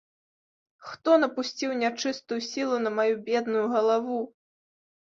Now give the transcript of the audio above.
Хто напусціў нячыстую сілу на маю бедную галаву?